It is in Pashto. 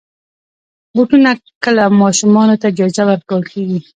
بوټونه کله ماشومانو ته جایزه ورکول کېږي.